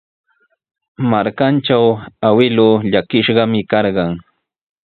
Markantraw awkilluu trikishqami karqan.